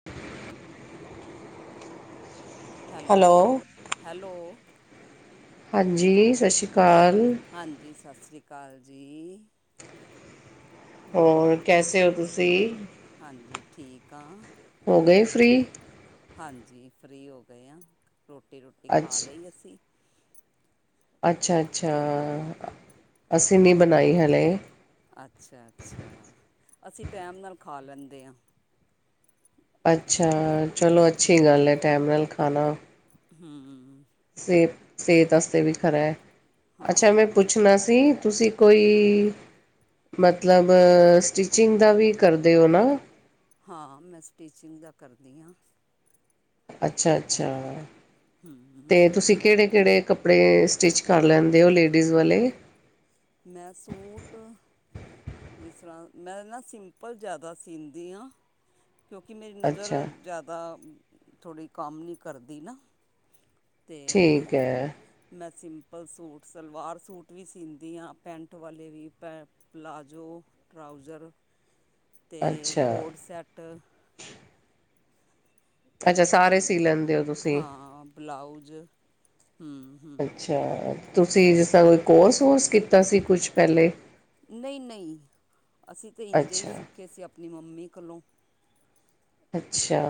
[inaudible] Hello hello. ਹਾਂਜੀ ਸਤਿ ਸ਼੍ਰੀ ਅਕਾਲ। ਹਾਂਜੀ ਸਤਿ ਸ਼੍ਰੀ ਅਕਾਲ ਜੀ। ਹੋਰ ਕੈਸੇ ਓ ਤੁਸੀਂ? ਹਾਂਜੀ ਠੀਕ ਆ। ਹੋ ਗਏ ਫ੍ਰੀ ਹਾਂਜੀ, ਫਰੀ ਹੋ ਗਏ ਆ ਰੋਟੀ ਰੁਟੀ ਖਾ ਅੱਛ ਲੀ ਅਸੀਂ। ਅੱਛਾ ਅੱਛਾ, ਅਤੇ ਅਸੀਂ ਨੀ ਹਾਂਜੀ ਬਣਾਈ ਹਲੇ। ਅੱਛਾ ਅੱਛਾ, ਅਸੀਂ ਟਾਈਮ ਨਾਲ ਖਾ ਲੈਂਦੇ ਆ। ਅੱਛਾ, ਚਲੋ ਅੱਛੀ ਗੱਲ ਐ ਟੈਮ ਨਾਲ ਖਾਣਾ। ਹੂੰ। ਸਿਹਤ ਸਿਹਤ ਵਾਸਤੇ ਵੀ ਖਰਾ ਅੱਛਾ ਮੈਂ ਹਾਂ ਪੁੱਛਣਾ? ਨਈ, ਤੁਸੀਂ ਕੋਈ। ਮਤਲਬ ਸਟਿਚਿੰਗ ਦਾ ਵੀ ਕਰਦੇ ਓ ਨਾ। ਹਾਂ, ਮੈਂ ਸਟੀਚਿੰਗ ਦਾ ਕਰਦੀ ਆ। ਅੱਛਾ ਅੱਛਾ, ਤੇ ਤੁਸੀਂ ਕਿਹੜੇ ਕਿਹੜੇ ਕੱਪੜੇ ਸਟਿੱਚ ਕਰ ਲੈਂਦੇ ਓ ਲੇਡੀਜ਼ ਵਾਲੇ? ਮੈਂ ਸੂਟ ਜਿਸ ਤਰ੍ਹਾਂ ਮੈਂ ਨਾ ਸਿੰਪਲ ਜ਼ਿਆਦਾ ਸੀਂਦੀ ਆ। ਕਿਉਂਕਿ ਮੇਰੀ ਨਜ਼ਰ ਅੱਛਾ ਜ਼ਿਆਦਾ ਥੋੜ੍ਹਾ ਕੰਮ ਨੀ ਕਰਦੀ ਨਾ। ਤੇ ਠੀਕ ਹੈ ਮੈਂ ਸਿੰਪਲ ਸੂਟ ਸਲਵਾਰ ਸੂਟ ਵੀ ਸੀਂਦੀ, ਦੀਆਂ ਪੈਂਟ ਵਾਲੇ ਵੀ ਪੈ ਪਲਾਜ਼ੋ ਟਰਾਊਜ਼ਰ। ਤੇ ਅੱਛਾ ਕੋਡ ਸੈੱਟ। ਅੱਛਾ ਸਾਰੇ ਸੀ ਤੇ ਲੈਂਦੇ ਹੋ ਤੁਸੀਂ ਹਾਂ ਬਲਾਊਜ ਹੂੰ ਹੂੰ ਅੱਛਾ ਤੁਸੀਂ ਜਿਸ ਤਰ੍ਹਾਂ ਕੋਈ ਕੋਰਸ-ਕੁਰਸ ਕੀਤਾ ਸੀ ਕੁਛ ਪਹਿਲੇ ਨਈ ਨਈ, ਅਸੀਂ ਤਾਂ ਇੰਝੇ ਹੀ ਅੱਛਾ ਸਿੱਖੇ ਸੀ ਆਪਣੀ ਮੰਮੀ ਕੋਲੋਂ। ਅੱਛਾ।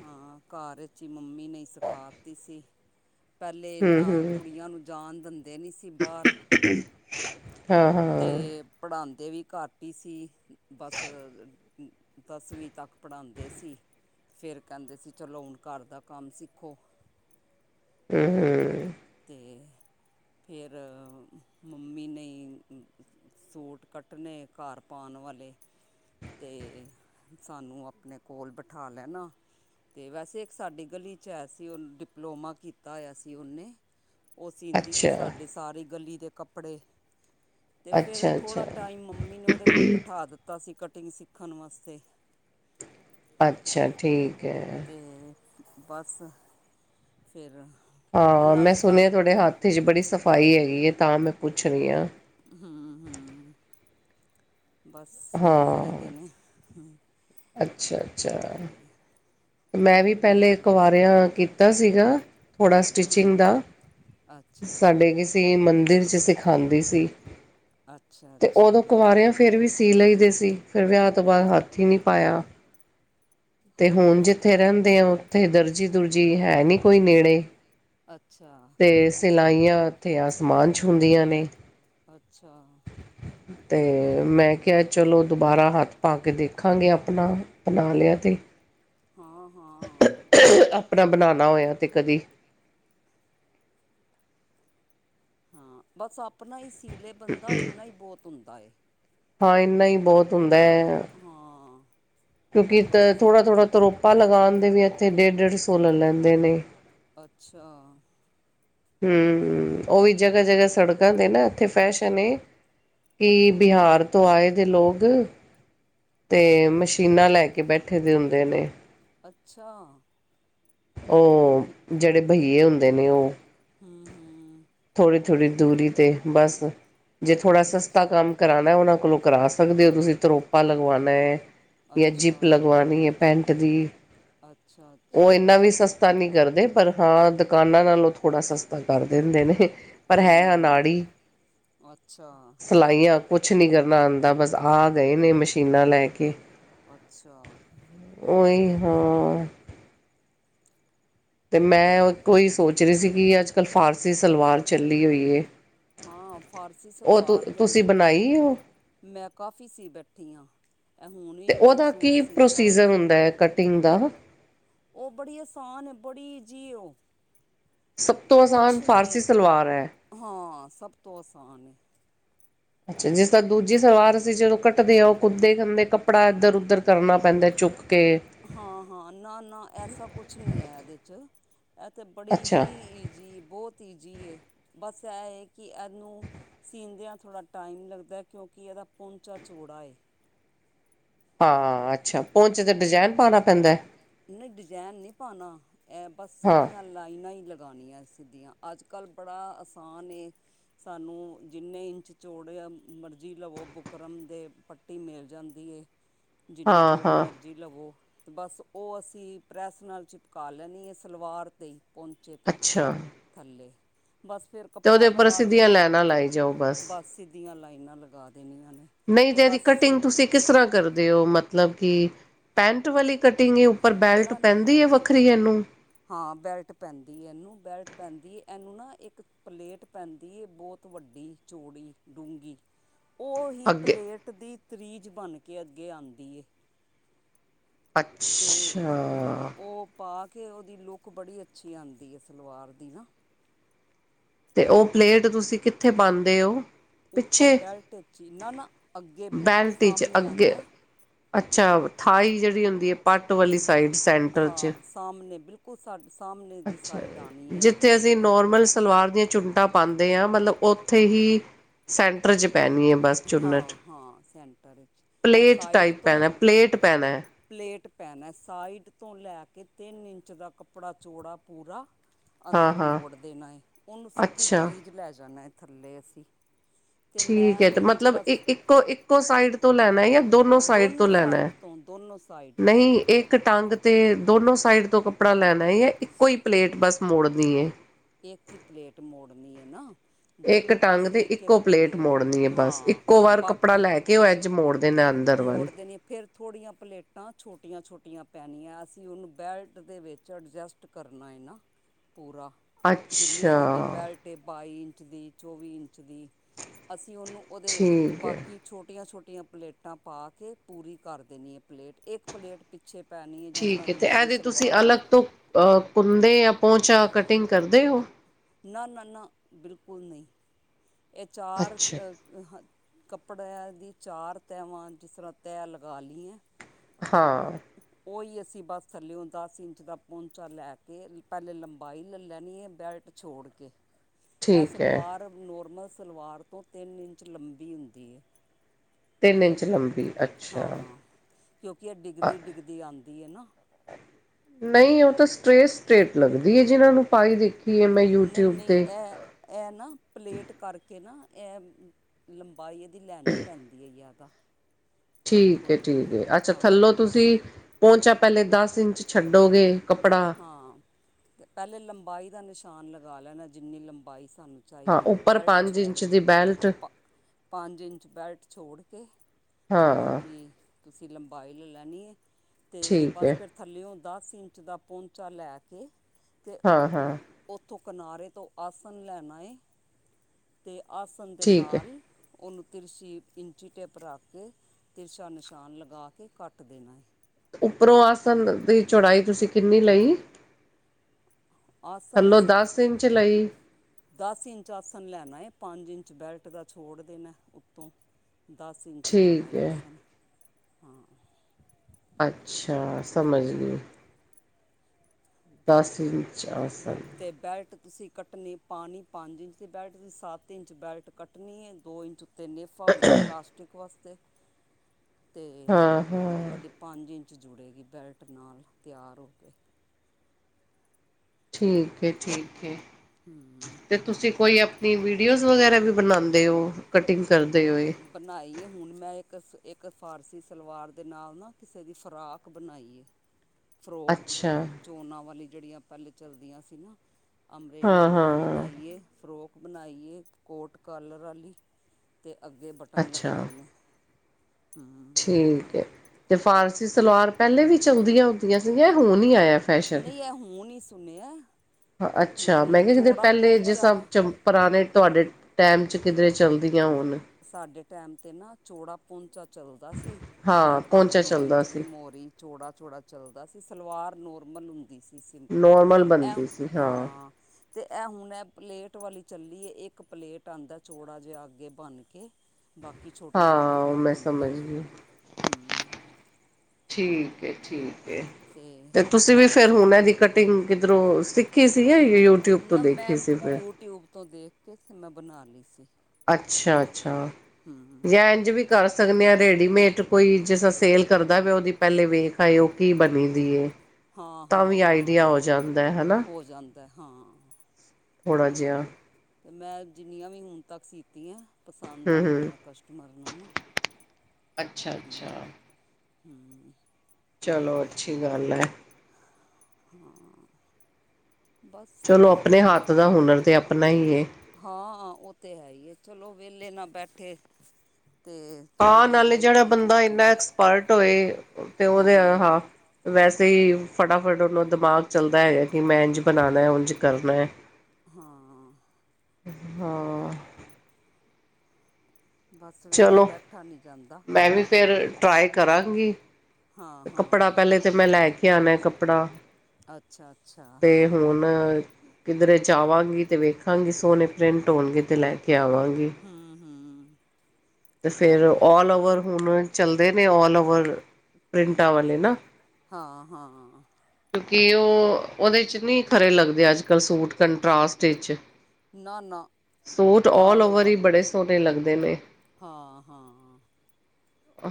ਹਾਂ, ਘਰ ਵਿਚ ਈ ਮੰਮੀ ਨੇ ਸਿਖਾ ਦਿੱਤੀ ਸੀ। ਪਹਿਲੇ ਹਮ ਇਨਾਂ ਹਮ ਕੁੜੀਆਂ ਨੂੰ ਜਾਣ ਦਿੰਦੇ ਨੀ ਸੀ, ਬਾਰ। [unintelligible] ਤੇ ਪੜ੍ਹਾਦੇ ਵੀ ਘਰ ਹੀ ਸੀ, ਬਸ ਦਸਵੀਂ ਤੱਕ ਪੜਾਂਦੇ ਸੀ, ਫਿਰ ਕਹਿੰਦੇ ਸੀ ਚਲੋ ਹੁਣ ਘਰ ਦਾ ਕੰਮ ਸਿੱਖੋ। ਤੇ ਤੇ, ਫੇਰ, ਮੰਮੀ ਨੇ ਸੂਟ ਕੱਟਣੇ ਘਰ ਪਾਣ ਵਾਲੇ, ਤੇ ਸਾਨੂੰ ਆਪਣੇ ਕੋਲ ਬਿਠਾ ਲੈਣਾ। ਅਤੇ ਵੈਸੇ ਇੱਕ ਸਾਡੀ ਗਲੀ 'ਚ ਆਇਆ ਸੀ, ਉਹ ਡਿਪਲੋਮਾ ਕੀਤਾ ਹੋਇਆ ਸੀ ਉਹਨੇ। ਉਹ ਸੀਂਦੀ ਸੀ ਅੱਛਾ ਸਾਡੇ ਸਾਰੀ ਗਲੀ ਦੇ ਕੱਪੜੇ। ਤੇ ਫਿਰ ਅੱਛਾ ਅੱਛਾ ਥੋੜ੍ਹਾ ਟਾਈਮ ਮੰਮੀ ਨੇ ਉਹਦੇ ਕੋਲ ਬਿਠਾ ਦਿੱਤਾ ਸੀ ਕਟਿੰਗ ਸਿੱਖਣ ਵਾਸਤੇ। ਅੱਛਾ ਠੀਕ ਏ। ਤੇ ਬਸ, ਫਿਰ ਹਾਂ, ਹੁਣ ਮੈਂ ਅੱਜ ਕੱਲ ਸੁਣਿਆ ਥੋਡੇ ਹੂੰ ਹੱਥ 'ਚ ਬੜੀ ਸਫ਼ਾਈ ਹੈਗੀ ਹੈ, ਤਾਂ ਮੈਂ ਪੁੱਛ ਰਹੀ ਆਂ। ਹੂੰ-ਹੂੰ ਬਸ ਸੀ ਲਈ ਦੇ ਨੇ। ਅੱਛਾ-ਅੱਛਾ, ਤੇ ਮੈਂ ਵੀ ਪਹਿਲੇ ਹਾਂਜੀ ਕੁਵਾਰਿਆਂ ਕੀਤਾ ਸੀ। ਥੋੜ੍ਹਾ ਸਟਿਚਿੰਗ ਦਾ, ਅੱਛਾ ਸਾਡੇ ਕਿਸ ਤੇ ਮੰਦਿਰ 'ਚ ਸਿਖਾਂਦੇ ਸੀ, ਅੱਛਾ ਤੇ ਅੱਛਾ ਉਦੋਂ ਕੁਵਾਰਿਆਂ ਫਿਰ ਵੀ ਸੀ ਲਈ ਦੇ ਸੀ, ਫਿਰ ਵਿਆਹ ਤੋਂ ਬਾਅਦ ਹੱਥ ਹੀ ਨੀ ਪਾਇਆ। ਤੇ ਹੁਣ ਹੈਲੋ ਜਿੱਥੇ ਰਹਿੰਦੇ ਆ, ਉੱਥੇ ਦਰਜੀ-ਦੁਰਜੀ ਹੈ ਨੀ ਕੋਈ ਨੇੜੇ। ਅੱਛਾ। ਤੇ ਸਿਲਾਈਆਂ ਉੱਥੇ ਆਸਮਾਨ ਛੂਦੀਆਂ ਨੇ। ਅੱਛਾ। [inaudible] ਤੇ ਮੈਂ ਕਿਆ ਚਲੋ ਦੁਬਾਰਾ ਹੱਥ ਪਾ ਕੇ ਦੇਖਾਂਗੇ ਆਪਣਾ, ਬਣਾ ਲਿਆ ਤੇ। ਹੂੰ-ਹੂੰ ਆਪਣਾ ਬਣਾਣਾ ਹੋਇਆ ਤੇ ਕਦੀ। ਹੂੰ ਬਸ ਆਪਣਾ ਹੀ ਸੀਲੇ ਬੰਦਾ ਇੰਨਾ ਹੀ ਬਹੁਤ ਹੁੰਦਾ ਏ। ਹਾਂ ਇੰਨਾ ਈ ਬਹੁਤ ਹੁੰਦਾ। ਹਾਂ। ਕਿਉਂਕਿ ਬਸ ਇਧਰ ਥੋੜ੍ਹਾ-ਥੋੜ੍ਹਾ ਤਰੋਪਾ ਲਗਾਣ ਦੇ ਵੀ ਇੱਥੇ ਡੇਢ-ਡੇਢ ਸੋ ਲੈ ਲੈਂਦੇ ਨੇ। ਅੱਛਾ। ਹੂੰ ਉਹ ਵੀ ਜਗ੍ਹਾ-ਜਗ੍ਹਾ ਸੜਕਾਂ ਤੇ ਨਾ ਇੱਥੇ ਫੈਸ਼ਨ ਏ ਕੀ ਬਿਹਾਰ ਤੋਂ ਆਏ ਦੇ ਲੋਕ, ਤੇ ਮਸ਼ ਸ਼ੀਨਾ ਲੈਕੇ ਬੈਠੇ ਦੇ ਹੁੰਦੇ ਨੇ। ਅੱਛਾ। ਉਹ ਜਿਹੜੇ ਬਈਏ ਹੁੰਦੇ ਨੇ ਉਹ। ਹੂੰ-ਹੂੰ ਹੂੰ ਥੋੜ੍ਹੀ-ਥੋੜ੍ਹੀ ਦੂਰੀ ਤੇ ਬਸ, ਜੇ ਥੋੜ੍ਹਾ ਅੱਛਾ ਸਸਤਾ ਕੰਮ ਕਰਾਣਾ ਉਹਨਾਂ ਕੋਲੋਂ ਕਰਾ ਸਕਦੇ ਹੋ ਤੁਸੀਂ ਤਰੋਪਾ ਲਗਵਾਣਾ, ਅੱਛਾ ਜਾਂ ਅੱਛਾ ਜਿਪ ਲਗਵਾਣੀ ਹੈ ਪੈਂਟ ਦੀ। ਅੱਛਾ। ਉਹ ਇੰਨਾ ਵੀ ਸਸਤਾ ਨੀ ਕਰਦੇ ਪਰ ਹਾਂ ਦਕਾਨਾਂ ਨਾਲੋਂ ਥੋੜ੍ਹਾ ਸਸਤਾ ਕਰ ਦਿੰਦੇ ਨੇ। ਤੇ ਪਰ ਹੂੰ ਹੈ ਹੂੰ ਅਨਾੜੀ। ਅੱਛਾ ਸਲਾ ਈਆਂ ਕੁਛ ਨੀ ਕਰਨਾ ਆਂਦਾ ਬਸ ਆ ਗਏ ਨੇ ਮਸ਼ੀਨਾਂ ਲੈ ਕੇ। ਅੱਛਾ ਓਹੀ ਹਾਂ। ਤੇ ਮੈਂ ਇਕੋ ਓਇ ਸੋਚ ਰੀ ਸੀ ਕਿ ਅੱਜ- ਕੱਲ੍ਹ ਫਾਰਸੀ ਸਲਵਾਰ ਚੱਲੀ ਹੋਈ ਏ। ਹਾਂ ਫਾਰਸੀ ਉਹ ਤੁ ਸਲਵਾਰ ਤੇ ਤੁਸੀਂ ਬਣਾਈ ਉਹ ਮੈਂ ਕਾਫ਼ੀ ਸੀ ਬੈਠੀ ਆ, ਏ ਹੁਣ ਵੀ ਤੇ ਮੈਂ ਇੱਕ ਸੂਟ ਸੀਤਾ ਹੋਇਆ। ਤਿੰਨ ਦਾ ਉਹ ਬੜੀ ਆਸਾਨ ਐ, ਬੜੀ ਜ਼ੀ ਓ ਸਭ ਤੋਂ ਆਸਾਨ ਫਾਰਸੀ ਹੈ ਸਲਵਾਰ ਐ। ਹਾਂ, ਸਭ ਤੋਂ ਆਸਾਨ ਏ ਅੱਛਾ, ਜਿਸ ਤਰ੍ਹਾਂ ਦੂਜੀ ਸਲਵਾਰ ਅਸੀਂ ਜਦੋਂ ਕੱਟਦੇ ਆ ਓ ਕੁੰਦੇ, ਕੰਦੇ ਕੱਪੜਾ ਇੱਧਰ-ਉਧਰ ਕਰਨਾ ਪੈਂਦਾ ਚੁੱਕ ਕੇ ਹਾਂ, ਹਾਂ ਨਾ ਨਾ ਐਸਾ ਕੁਛ ਨੀ ਐ ਇਹਦੇ ਚ ਇਹ ਤੇ ਬੜੀ ਅੱਛਾ ਹੀ ਈਜ਼ੀ ਬਹੁਤ ਈਜ਼ੀ ਏ ਬਸ ਇਹ ਐ ਕਿ ਇਹਨੂੰ ਸੀਂਦਿਆਂ ਥੋੜ੍ਹਾ ਟਾਈਮ ਲੱਗਦਾ, ਕਿਉਂਕਿ ਇਹਦਾ ਪਹੁੰਚਾ ਚੌੜਾ ਏ। ਹਾਂ, ਅੱਛਾ ਪੌਂਚੇ ਤੇ ਡਿਜਾਇਨ ਪਾਣਾ ਪੈਂਦਾ ਨਹੀਂ ਡਿਜਾਇਨ ਨਹੀਂ ਪਾਣਾ ਇਹ ਬਸ ਹਾਂ ਸਿੱਧੀਆਂ ਲਾਈਨਾਂ ਈ ਲਗਾਣੀਆਂ ਸਿੱਧੀਆਂ ਅੱਜ ਕੱਲ੍ਹ ਬੜਾ ਆਸਾਨ ਏ। ਸਾਨੂੰ ਜਿੰਨੇ ਇੰਚ ਚੋੜੇ ਮਰਜ਼ੀ ਲਵੋ ਬੁਕਰਮ ਦੇ ਪੱਟੀ ਮਿਲ ਜਾਂਦੀ ਐ। [inaudible] ਜਿੰਨੀ ਚੌੜੀ ਹਾਂ ਮਰਜ਼ੀ ਲਵੋ ਬਸ ਓ ਅਸੀਂ ਪ੍ਰੈਸ ਨਾਲ ਚਿਪਕਾ ਲੈਂਣੀ ਐ ਸਲਵਾਰ ਤੇ ਈ ਪੌਂਚੇ ਤੇ ਅੱਛਾ ਥੱਲੇ ਬਸ ਫਿਰ ਤੇ ਕੱਪੜਾ ਉਹਦੇ ਉੱਪਰ ਲਗਾ ਸਿੱਧੀਆਂ ਦੇਣਾ ਲਾਈਨਾਂ ਲਾਈ ਜਾਓ ਬਸ ਸਿੱਧੀਆਂ ਲਾਈਨਾਂ ਲਗਾ ਦੇਣੀਆਂ ਨੇ। ਨਹੀਂ ਤੇ ਇਹਦੀ ਕਟਿੰਗ ਤੁਸੀਂ ਕਿਸ ਤਰ੍ਹਾਂ ਕਰਦੇ ਓ ਮਤਲਬ ਕਿ ਪੈਂਟ ਵਾਲੀ ਕਟਿੰਗ ਦੇ ਉੱਪਰ ਬੈਲਟ ਨਾ ਪੈਂਦੀ ਐ ਵੱਖਰੀ ਇਹਨੂੰ ਹਾਂ ਬੈਲਟ ਪੈਂਦੀ ਐ ਇਹਨੂੰ ਬੈਲਟ ਪੈਂਦੀ ਐ ਇਹਨੂੰ ਨਾ ਇੱਕ ਪਲੇਟ ਪੈਂਦੀ ਐ ਬਹੁਤ ਤੋਂ ਵੱਡੀ ਚੋੜੀ ਡੂੰਗੀ। [inaudible] ਓਹੀ ਅੱਗੇ ਪਲੇਟ ਦੀ ਤਰੀਜ ਬਣ ਕੇ ਅੱਗੇ ਆਂਦੀ ਏ। ਤੇ ਅੱਛਾ ਹਾਂ, ਓ ਪਾ ਕੇ ਉਹਦੀ ਲੁੱਕ ਬੜੀ ਅੱਛੀ ਆਂਦੀ ਐ ਸਲਵਾਰ ਦੀ ਨਾ। ਤੇ ਓ ਪਲੇਟ ਤੁਸੀਂ ਕਿੱਥੇ ਪਾਂਦੇ ਓ ਉੱਪਰ ਬੈਲਟ ਚ ਈ ਨਾ ਨਾ ਅੱਗੇ ਬਿਲਕੁਲ ਬੈਲਟ ਚ ਸਾਮਣੇ ਅੱਗੇ ਆਂਦਾ। ਅੱਛਾ ਥਾਂਈ ਜਿਹੜੀ ਹੁੰਦੀ ਐ ਪੱਟ ਵਾਲੀ ਸਾਈਡ ਸੈਟ ਹਾਂ, ਸਾਹਮਣੇ ਬਿਲਕੁਲ ਸਾਡ ਸਾਹਮਣੇ ਦੀ ਅੱਛਾ, ਸਾਈਡ ਜੀ ਆਉਣੀ ਹੈ ਜਿੱਥੇ ਅਸੀਂ ਪਲੇਟ ਨੋਰਮਲ ਸਲਵਾਰ ਦੀਆਂ ਚੁੰਮਟਾਂ ਪਾਂਦੇ ਆ ਮਤਲਬ ਉੱਥੇ ਹੀ, ਸੈਂਟਰ 'ਚ ਪੈਣੀ ਐ ਬਸ ਚੁਨਟ ਹਾਂ ਹਾਂ ਸੈਂਟਰ ਵਿੱਚ ਇਹ ਪਲੇਟ ਸਾਈਡ ਟਾਈਪ ਤੋਂ ਪੈਣਾ ਪਲੇਟ ਪੈਣਾ। ਪਲੇਟ ਪੈਣਾ ਸਾਈਡ ਤੋਂ ਲੈ ਕੇ ਤਿੰਨ ਇੰਚ ਦਾ ਕੱਪੜਾ ਚੌੜਾ ਪੂਰਾ। ਹਾਂ ਅੰਦਰ ਹਾਂ ਮੋੜ ਦੇਣਾ ਏ, ਉਹਨੂੰ ਸਿੱਧੀ ਅੱਛਾ ਤਰੀਜ਼ ਲੈ ਜਾਣਾ ਥੱਲੇ ਅਸੀਂ ਤੇ ਠੀਕ ਮੈਂ ਹੈ ਹੁਣ ਮਤਲਬ ਜਿਹੜਾ ਇੱਕੋ-ਇੱਕੋ ਸਾਈਡ ਤੋਂ ਲੈਣਾ ਜਾ ਦੋਨੋ ਸਾਈਡ ਤੋਂ ਲੈਣਾ ਸਾਈਡ ਤੋਂ ਦੋਨੋ ਸਾਈਡ ਤੋਂ ਨਹੀਂ ਇੱਕ ਟੰਗ ਤੇ ਦੋਨੋ ਸਾਈਡ ਤੋਂ ਕੱਪੜਾ ਲੈਣਾ ਜਾ ਇੱਕੋ ਈ ਪਲੇਟ ਬਸ ਮੋੜਨੀ ਐ। ਇੱਕ ਈ ਪਲੇਟ ਮੋੜਨੀ ਐ ਨਾ। ਇੱਕ ਦੋਨੋਂ ਟੰਗ ਤੇ ਪਾਸੇ ਇੱਕ ਇੱਕੋ ਇੱਕ ਪਲੇਟ ਮੋੜਨੀ ਹੈ ਬਸ, ਹਾਂ ਇੱਕੋ ਹਾਂ ਵਾਰ ਕੱਪੜਾ ਬਾਕੀ ਲੈ ਕੇ ਇ ਜੇ ਮੋੜਦੇ ਨਾ ਏ ਅੰਦਰ ਵੱਲ ਮੋੜ ਦੇਣੀ ਹੈ। ਫਿਰ ਥੋੜੀਆਂ ਪਲੇਟਾਂ ਛੋਟੀਆਂ- ਛੋਟੀਆਂ ਪੈਣੀਆਂ ਅਸੀਂ ਉਹਨੂੰ ਬੈਲਟ ਦੇ ਵਿੱਚ ਐਡਜਸਟ- ਕਰਨਾ ਏ ਨਾ ਪੂਰਾ ਜਿੰਨੀ ਅੱਛਾ ਸਾਡੀ ਬੈਲਟ- ਟੇ ਬਾਈ ਇੰਚ ਦੀ, ਚੌਵੀ ਇੰਚ ਦੀ, ਅਸੀਂ ਉਹਨੂੰ ਉਹਦੇ ਵਿੱਚ ਠੀਕ ਹੈ। ਬਾਕੀ- ਛੋਟੀਆਂ- ਛੋਟੀਆਂ ਪਲੇਟਾਂ ਪਾ ਕੇ ਪੂਰੀ ਕਰ ਦੇਣੀ ਹੈ ਪਲੇਟ, ਇੱਕ ਪਲੇਟ ਪਿੱਛੇ ਪੈਣੀ ਹੈ ਜਿਸ ਤਰਾਂ ਦੂਸਰੀ ਸਲਵਾਰ ਨੂੰ, ਆ ਕੁੁੰਦੇ ਜਾਂ ਪਹੁੰਚਾ ਕਟਿੰਗ ਕਰਦੇ ਹੋ? ਨਾ- ਨਾ, ਨਾ ਬਿਲਕੁਲ ਨਹੀਂ ਇਹ ਚਾਰ- ਅੱਛਾ ਹ ਕੱਪੜਿਆਂ ਦੀ ਚਾਰ ਤੈਵਾਂ ਜਿਸ ਤਰਾਂ ਤੈਅ ਲਗਾ ਲਈਆਂ। ਹਾਂ। ਉਹੀ ਅਸੀਂ ਬਸ ਥੱਲੇਓ ਦਸ ਇੰਚ ਦਾ ਪਹੁੰਚਾ ਲੈ ਕੇ, ਪਹਿਲੇ ਲੰਬਾਈ ਲੈ ਲੈਣੀ ਹੈ ਬੈਲਟ ਛੋੜ ਕੇ। ਇਹ ਠੀਕ ਹੈ ਸਲਵਾਰ, ਨਾਰਮਲ ਸਲਵਾਰ ਤੋਂ ਤਿੰਨ ਇੰਚ ਲੰਬੀ ਹੁੰਦੀ ਹੈ। ਤਿੰਨ ਇੰਚ ਲੰਬੀ, ਅੱਛਾ। ਕੀ ਏ ਡਿੱਗਦੀ- ਡਿੱਗਦੀ ਆਉਂਦੀ ਹੈ ਨਾ। ਨਹੀਂ ਉਹ ਤਾਂ ਸਟਰੇਟ- ਸਟਰੇਟ ਲੱਗਦੀ ਹੈ, ਜਿਹਨਾਂ ਨੂੰ ਪਾਈ ਦੇਖੀ ਹੈ ਮੈਂ। ਨਹੀਂ- ਯੂਟਿਊਬ ਨਹੀਂ, ਤੇ ਇਹ- ਇਹ ਨਾ ਪਲੇਟ ਕਰਕੇ ਨਾ ਇਹ ਲੰ- ਬਾਈ ਇਹਦੀ ਲੈਣੀ ਪੈਂਦੀ ਹੈ ਜ਼ਿਆਦਾ। ਠੀਕ ਏ- ਥੋੜ੍ਹੀ ਜਿਹੀ ਠੀਕ ਏ ਅੱਛਾ ਹਾਂ ਥੱਲੋਂ ਤੁਸੀਂ ਪਹੁੰਚਾ ਪਹਿਲੇ ਦਸ ਇੰਚ ਛੱਡੋਗੇ ਕੱਪੜਾ, ਹਾਂ ਤੇ ਪਹਿਲੇ ਲੰਬਾਈ ਦਾ ਨਿਸ਼ਾਨ ਲਗਾ ਲੈਣਾ ਜਿੰਨੀ ਲੰਬਾਈ ਸਾਨੂੰ ਹਾਂ ਚਾਹੀਦੀ ਹੈ ਉੱਪਰ ਬੈਲਟ ਪੰਜ ਇੰਚ ਛੋੜਦੇ ਦੀ ਨ, ਬੈਲਟ ਪੰਜ ਇੰਚ ਬੈਲਟ ਛੋੜ ਕੇ ਹਾਂ ਬਾਕੀ, ਤੁਸੀਂ ਲੰਬਾਈ ਲੈ ਲੈਣੀ ਹੈ, ਅਤੇ ਠੀਕ ਹੈ ਬਸ ਫੇਰ ਥੱਲਿਓ ਦਸ ਇੰਚ ਦਾ ਪਹੁੰਚਾ ਲੈ ਕੇ, ਹਾਂ- ਹਾਂ। ਉੱਥੋਂ ਕਿਨਾਰੇ ਤੋਂ ਆਸਣ ਲੈਣਾ ਏ, ਤੇ ਆਸਣ ਦੇ ਠੀਕ ਹੈ ਨਾਲ ਉਹਨੂੰ ਤਿਰਛੀ ਇੰਚੀਟੇਪ ਰੱਖ ਕੇ ਤਿਰਸ਼ਾ ਨਿਸ਼ਾਨ ਲਗਾ ਕੇ ਕੱਟ ਦੇਣਾ ਹੈ। ਉੱਪਰੋਂ ਆਸਣ ਦੀ ਚੌੜਾਈ ਤੁਸੀਂ ਕਿੰਨੀ ਲਈ? ਥੱਲੋਂ ਦਸ ਇੰਚ ਲਈ। ਦਸ ਇੰਚ ਆਸਣ ਲੈਣਾ ਏ, ਪੰਜ ਇੰਚ ਬੈਲਟ ਦਾ ਛੋੜ ਦੇਣਾ ਉੱਤੋਂ। ਦਸ ਇੰਚ ਲੈਣਾ ਠੀਕ ਏ ਹੈ ਆਸਨ, ਹਾਂ। ਅੱਛਾ, ਸਮਝ ਗਈ। ਦਸ ਇੰਚ ਆਸਣ। ਅਤੇ ਬੈਲਟ ਤੁਸੀਂ ਕੱਟਣੀ ਪਾਣੀ ਪੰਜ ਇੰਚ ਦੀ, ਬੈਲਟ ਤੁਸੀਂ ਸੱਤ ਇੰਚ ਬੈਲਟ ਕੱਟਣੀ ਹੈ, ਦੋ ਇੰਚ ਤੇ ਨੇਫਾ ਹੋ ਜਾਵੇਗਾ ਲਾਸਟਿਕ ਵਾਸਤੇ, ਅਤੇ ਹਾਂ ਹਾਂ ਤੁਹਾਡੀ ਪੰਜ ਇੰਚ ਜੁੜੇਗੀ ਬੈਲਟ ਨਾਲ ਤਿਆਰ ਹੋ ਕੇ। ਠੀਕ ਹੈ- ਠੀਕ ਹੈ। ਹੂੰ। ਤੇ ਤੁਸੀਂ ਕੋਈ ਆਪਣੀ ਵੀਡੀਓਜ਼ ਵਗੈਰਾ ਵੀ ਬਣਾਉਂਦੇ ਹੋ, ਕਟਿੰਗ ਕਰਦੇ ਹੋਏ। ਬਣਾਈ ਹੈ ਹੁਣ ਮੈਂ ਇੱਕ ਸ ਇੱਕ ਫਾਰਸੀ ਸਲਵਾਰ ਦੇ ਨਾਲ ਨਾ, ਕਿਸੇ ਦੀ ਫਰਾਕ ਬਣਾਈ ਹੈ। ਫਰੋਕ ਅੱਛਾ ਚੋਨਾਂ ਵਾਲੀ ਜਿਹੜੀਆਂ ਪਹਿਲੇਾਂ ਚੱਲਦੀਆਂ ਸੀ ਨਾ। ਅੰਬਰੇਲਾ ਹਾਂ ਬਾਂਹ ਹਾਂ ਬਣਾਈ ਏ, ਫਰੋਕ ਬਣਾਈ ਏ, ਕੋਟ ਕਾਲਰ ਵਾਲੀ। ਤੇ ਅੱਗੇ ਬਟਨ ਅੱਛਾ ਲਗਾਏ ਨੇ। ਹੂੰ ਠੀਕ ਹੈ, ਤੇ ਫ਼ਾਰਸੀ ਸਲਵਾਰ ਪਹਿਲੇ ਵੀ ਚਲਦੀਆਂ ਹੁੰਦੀਆਂ ਸੀਗੀਆਂ ਹੁਣ ਹੀ ਆਇਆ। ਫੈਸ਼ਨ ਨਹੀਂ ਇਹ ਹੁਣ ਹੀ ਸੁਣਿਆ। ਹ ਅੱਛਾ ਹੁਣ ਹੀ ਮੈਂ ਕਿਹਾ ਕਿਧਰੇ ਚੌੜਾ ਪਹਿਲੇ ਜਿਸ ਚ ਪੌਂਚਾ ਪੁਰਾਣੇ ਤੁਹਾਡੇ ਟਾਈਮ, ਚ ਕਿਧਰੇ ਚੱਲਦੀਆਂ ਹੋਣ। ਸਾਡੇ ਟਾਈਮ ਤੇ ਨਾ, ਚੌੜਾ ਪਹੁੰਚਾ ਚੱਲਦਾ ਸੀ। ਅ ਹਾਂ ਅੱਠ, ਪਹੁੰਚਾ ਨੌ ਚੱਲਦਾ ਇੰਚ ਦੀ ਸੀ ਮੋਹਰੀ ਚੌੜਾ- ਚੌੜਾ ਚੱਲਦਾ ਸੀ ਸਲਵਾਰ ਨੋਰਮਲ ਹੁੰਦੀ ਸੀ। ਇਸੇ ਲਿਤਾਂ ਨੋਰਮਲ ਐ ਬਣਦੀ ਹੁਣ ਸੀ ਹਾਂ। ਤੇ ਐ ਹੁਨ ਐ ਪਲੇਟ ਵਾਲੀ ਚੱਲੀ ਏ, ਇੱਕ ਪਲੇਟ ਆਂਦਾ ਚੌੜਾ ਜੇਆ ਅੱਗੇ ਬੰ ਕੇ ਬਾਕੀ ਛੋਟੀਆਂ ਹਾਂ ਪਲੇਟਾਂ ਮੈਂ ਪੈਂਦੀਆਂ ਸਮਝ ਨੇ, ਗਈ ਹੂੰ। ਠੀਕ ਏ-ਠੀਕ ਏ, ਤੇ ਤੁਸੀਂ ਵੀ ਪਾਈ ਫੇਰ ਹੋਣ ਐਦੀ ਕਟਿੰਗ ਕੀਦਰੋਂ ਸਿੱਖੀ ਸੀ? ਯਾ ਨਾ, ਮੈਂਮ ਯੂਟਿਊਬ ਤੋਂ ਦੇਖ ਕੇ ਤੇ ਮੈਂ ਬਣਾ ਲੀ ਸੀ। ਅੱਛਾ -ਅੱਛਾ, ਹੂੰ ਜਾਂ ਐਂੱਜ ਵੀ ਕਰ ਸਕਨੇ ਆਂ ਰੇਡੀਮੇਟ ਕੋਈ ਜੈਸਾ ਸੇਲ ਕਰਦਾ ਪੇਆ ਵੇ ਓਦੀ ਪੈਲੇ ਵੇਖ ਆਏਓ, ਕੀ ਬਣੀ ਵੀ ਐ। ਹਾਂ ਤਾਂ ਹਾਂ ਵੀ ਹਾਂ ਆਈਡੀਆ ਹੋ ਜਾਂਦਾ, ਹਨਾ? ਹੋ ਜਾਂਦਾ ਹਾਂ ਥੋੜਾ ਜੇਆ ਤ ਮੈਂ ਜਿੰਨੀਆਂ ਵੀ ਹੁਣ ਤੱਕ ਸੀਤੀਆਂ ਪਸੰਦ ਹੂੰ ਆ ਹੂੰ ਗਈਆਂ ਕਸਟਮਰ ਨੂੰ ਨਾ, ਅੱਛਾ ਹਾ। ਅੱਛਾ ਹੂੰ। ਚਲੋ ਅੱਛੀ ਗੱਲ ਐ। ਹਾਂ। ਚਲੋ ਆਪਨੇ ਹੱਥ ਦਾ ਹੁਨਰ ਤੇ ਆਪਨਾ ਈ ਏਂ। ਹਾਂ ਆਂ ਉ ਤੇ ਹੈ ਈ ਐ, ਚਲੋ ਵਿਹਲੇ ਨਾ ਬੈਠੇ, ਤੇ- ਹਾਂ ਨਾਲੇ ਜੇੜਾ ਬੰਦਾ ਏਨਾ ਐਕਸਪਲਟ ਓਏ, ਓ ਤੇ ਓ ਹਾਂ ਵੈਸੇ ਈ, ਫਟਾਫਟ ਉਨੂੰ ਦਿਮਾਗ ਚੱਲਦਾ ਹੈਗਾ ਕਿ ਮੈਂ ਇੰਝ ਬਾਨਾਨਾ ਉਂਝ ਕਰਨਾ ਐਂ। ਹਾਂ। ਹਾਂ। ਬਸ ਵੇਲੇ ਚਲੋ ਬੈਠਾ ਨੀ ਜਾਂਦਾ ਮੈਂ ਵੀ ਅਤੇ ਫੇਰ, ਟਰਾਈ ਕਰਾਂਗੀ। ਹਾਂ ਤੇ ਕੱਪੜਾ ਹਾਂ ਪੈਲੇ ਤੇ ਮੈਂ ਲੈ ਕੇ ਆਨਾ ਏ, ਕੱਪੜਾ, ਅੱਛਾ ਅੱਛਾ ਤੇ ਹੁਣ, ਕਿੱਧਰੇ ਚਾਂਵਾਂਗੀ ਤੇ ਵੇਖਾਂਗੀ ਸੋਹਣੇ ਪ੍ਰਿੰਟ ਹੋਣਗੇ ਤੇ ਲੈ ਕੇ ਆਵਾਂਗੀ। ਹੂੰ-ਹੂੰ। ਤੇ ਫੇਰ ਓਲ ਓਵਰ ਹੁਨ ਚੱਲਦੇ ਨੇ ਓਲ ਓਵਰ, ਪ੍ਰਿੰਟਾਂ ਵਾਲੇ ਨਾ ਹਾਂ- ਹਾਂ। ਕਿਉਂਕਿ ਉ, ਉਂਦੇ ਚ, ਨੀ ਖਰੇ ਲੱਗਦੇ ਅੱਜ ਕੱਲ ਸੂਟ ਕੰਟਾਸਟ ਇਚ। ਨਾ ਨਾ ਸੂਟ ਓਲ ਓਵਰ ਈ ਬੜੇ ਸੋਨੇ ਲੱਗਦੇ ਨੇ। ਹਾਂ -ਹਾਂ।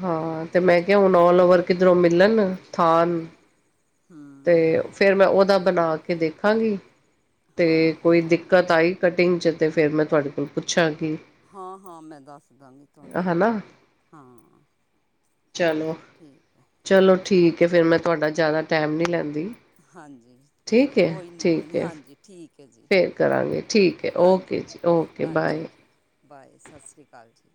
ਹਾਂ। ਤੇ ਮੈਂ ਕਿਹਾ ਹੁਣ ਔਲ ਓਵਰ ਚਲੋ ਕਿੱਧਰੋਂ ਮਿਲਣ, ਥਾਨ, ਹੂੰ ਤੇ ਫੇਰ ਮੈਂ ਓਦਾ ਬਣਾ ਕੇ ਦੇਖਾਂਗੀ, ਤੇ ਹਾਂ ਕੋਈ ਹਾਂ ਦਿੱਕਤ ਆਈ ਕਟਿੰਗ ਚ ਤੇ ਫੇਰ ਮੈਂ ਤੁਆਡੇ ਕੋਲ ਪੁੱਛਾਂਗੀ। ਹਾਂ -ਹਾਂ ਮੈਂ ਦੱਸ ਦਾਂਗੀ। ਤੁਹਾਨੂੰ ਹਨਾ ਹਾਂ ਚਲੋ। ਠੀਕ ਐ। ਚਲੋ ਠੀਕ ਐ ਫਿਰ ਮੈਂ ਤੁਹਾਡਾ ਜ਼ਿਆਦਾ ਟੈਮ ਨੀ ਲੈਂਦੀ। ਹਾਂਜੀ ਕੋ ਠੀਕ ਹੈ ਕੋਈ ਨੀ ਕੋਈ ਠੀਕ ਨੀ ਹੈ ਹਾਂਜੀ। ਠੀਕ ਐ ਜੀ, ਫਿਰ ਕਰਾਂਗੇ ਠੀਕ ਹੈ ਓਕੇ ਹਾਂਜੀ, ਜੀ ਓਕੇ ਅੱਛਾ ਬਾਏ ਜੀ। ਬਾਏ ਸਾਸਰੀ ਕਾਲ ਜੀ।